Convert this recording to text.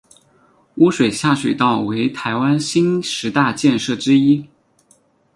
污水下水道为台湾新十大建设之一。